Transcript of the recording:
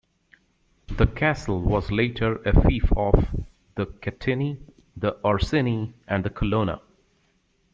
The castle was later a fief of the Caetani, the Orsini and the Colonna.